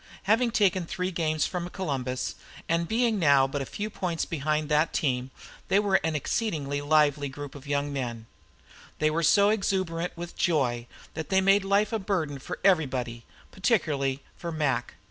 Having taken three games from Columbus, and being now but a few points behind that team, they were an exceedingly lively company of young men. They were so exuberant with joy that they made life a burden for everybody, particularly for Mac.